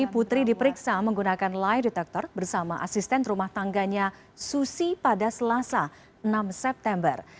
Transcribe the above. putri diperiksa menggunakan lie detector bersama asisten rumah tangganya susi pada selasa enam september